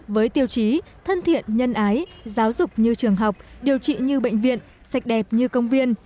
với tiêu chí thân thiện nhân ái giáo dục như trường học điều trị như bệnh viện sạch đẹp như công viên